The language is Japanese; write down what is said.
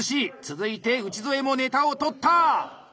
続いて内添もネタを取った！